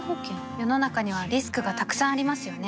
世の中にはリスクがたくさんありますよね